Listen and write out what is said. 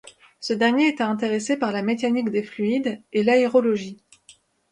Ce dernier était intéressé par la mécanique des fluides et l'aérologie.